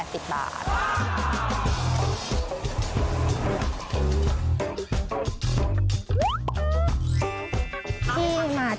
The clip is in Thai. เนื้อแอนกัสปุ้งปูอยู่ที่จานละ๘๐บาท